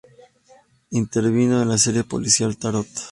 Intervino en la serie policíaca “Tatort.